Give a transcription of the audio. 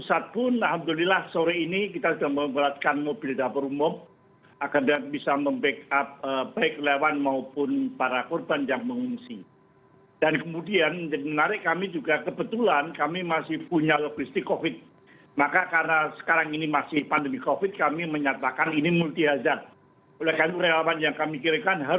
saya juga kontak dengan ketua mdmc jawa timur yang langsung mempersiapkan dukungan logistik untuk erupsi sumeru